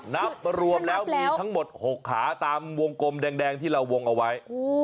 นับรวมแล้วมีทั้งหมด๖ขาตามวงกลมแดงที่เราวงเอาไว้